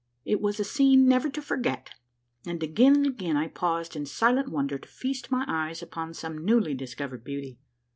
It was a scene never to forget, and again and again I paused in silent wonder to feast my eyes upon some newly discovered beauty.